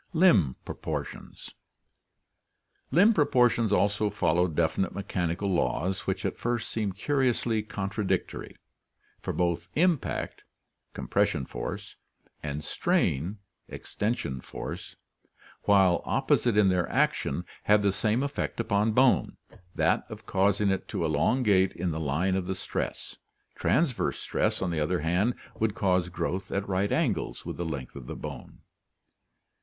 Limb Proportions. — Limb proportions also follow definite me chanical laws which at first seem curiously contradictory, for both impact (compression force) and strain (extension force), while opposite in their action, have the same effect upon bone, that of causing it to elongate in the line of the stress. Transverse stress, on the other hand, would cause growth at right angles with the length of the bone.